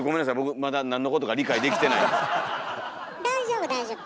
まだ大丈夫大丈夫。